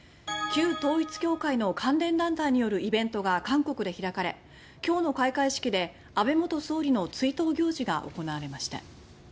旧統一教会の関連団体によるイベントが韓国で開かれ今日の開会式で安倍元総理の追悼行事が行われました。